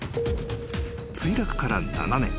［墜落から７年。